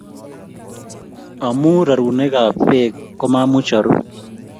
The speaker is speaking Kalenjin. omu rorunekab beek, ko ma amuch oru